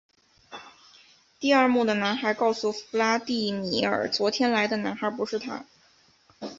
第二幕的男孩告诉弗拉第米尔昨天来的男孩不是他。